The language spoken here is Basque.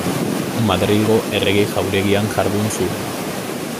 Madrilgo Errege Jauregian jardun zuen.